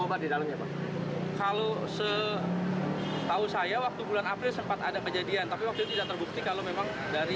penutupan sementara ini juga merupakan agar kejadian yang kemarin tidak terulang